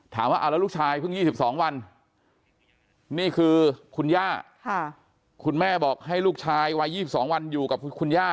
ถามว่าเอาแล้วลูกชายเพิ่ง๒๒วันนี่คือคุณย่าคุณแม่บอกให้ลูกชายวัย๒๒วันอยู่กับคุณย่า